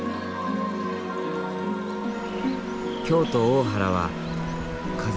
京都・大原は風